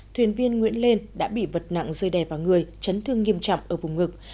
thuyền viên nguyễn lên đã bị vật nặng rơi đè vào người chấn thương nghiêm trọng ở vùng ngực